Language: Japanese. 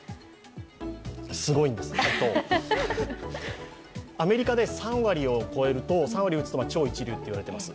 すごいんです、アメリカで３割を超えると超一流と言われています。